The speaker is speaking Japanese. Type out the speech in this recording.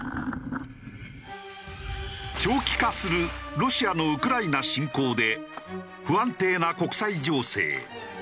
長期化するロシアのウクライナ侵攻で不安定な国際情勢。